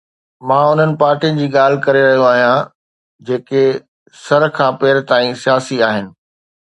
مان انهن پارٽين جي ڳالهه ڪري رهيو آهيان جيڪي سر کان پير تائين سياسي آهن.